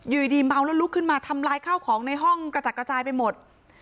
อยู่ดีเมาแล้วลุกขึ้นมาทำลายข้าวของในห้องกระจัดกระจายไปหมด